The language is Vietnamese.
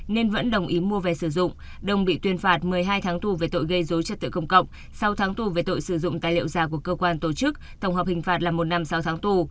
nên vẫn đồng ý mua về sử dụng đồng bị tuyên phạt một mươi hai tháng tù về tội gây dối trật tự công cộng sau tháng tù về tội sử dụng tài liệu giả của cơ quan tổ chức tổng hợp hình phạt là một năm sáu tháng tù